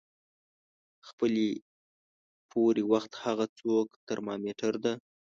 خپلې پورې وخت هغه څوکه ترمامیټر د